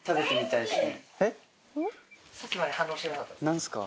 何すか？